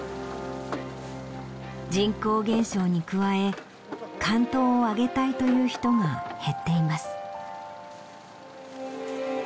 人口減少に加え竿燈を上げたいという人が減っています。